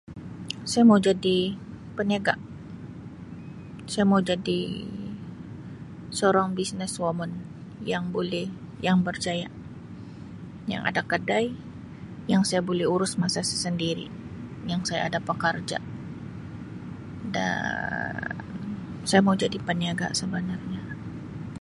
Saya mau jadi peniaga. Saya mau jadi seorang business woman yang boleh yang berjaya. Yang ada kedai, yang saya boleh urus masa saya sendiri, yang saya ada pekerja dan saya mau jadi peniaga sebenarnya.